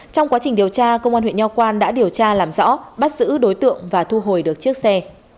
trong quá trình điều tra công an huyện nho quang đã điều tra làm rõ bắt giữ đối tượng và thu hồi được chiếc xe